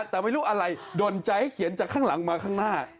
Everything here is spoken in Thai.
แต่ไม่รู้อะไรดนใจให้เขียนจากข้างหลังมาข้างหน้า